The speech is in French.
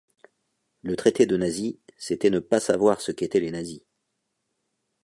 Le traiter de nazi, c'était ne pas savoir ce qu'étaient les nazis.